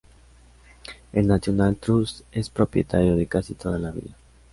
El National Trust es propietario de casi toda la villa.